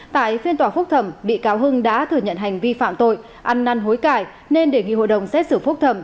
tại phiên tòa phúc thẩm bị cáo hưng đã thừa nhận hành vi phạm tội ăn năn hối cải nên đề nghị hội đồng xét xử phúc thẩm